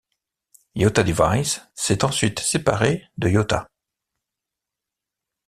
Yota Devices s’est ensuite séparée de Yota.